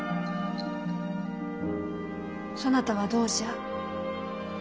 そなたはどうじゃ？